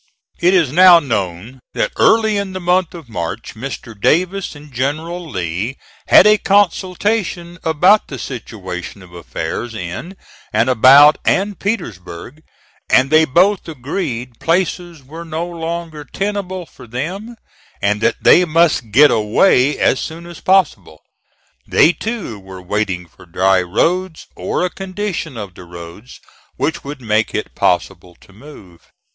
It is now known that early in the month of March Mr. Davis and General Lee had a consultation about the situation of affairs in and about and Petersburg, and they both agreed places were no longer tenable for them, and that they must get away as soon as possible. They, too, were waiting for dry roads, or a condition of the roads which would make it possible to move.